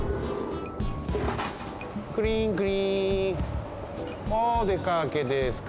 クリンクリーンおでかけですか？